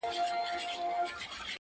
او نه ختمېدونکی اثر لري ډېر,